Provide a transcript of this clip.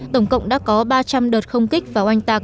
tổng cộng đã có ba trăm linh đợt không kích vào oanh tạc